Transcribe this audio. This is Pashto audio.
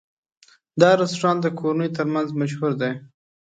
دا رستورانت د کورنیو تر منځ مشهور دی.